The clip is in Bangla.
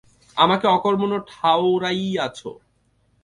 আমাকে অকর্মণ্য ঠাওরাইয়াছ!